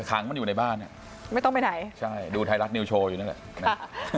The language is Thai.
ขังมันอยู่ในบ้านเนี่ยไม่ต้องไปไหนใช่ดูไทยรัฐนิวโชว์อยู่นั่นแหละนะ